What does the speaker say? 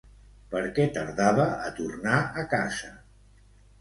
Per què tardava a tornar a casa?